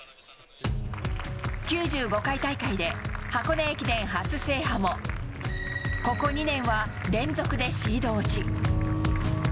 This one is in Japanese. ９５回大会で箱根駅伝初制覇も、ここ２年は連続でシード落ち。